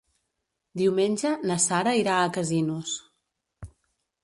Diumenge na Sara irà a Casinos.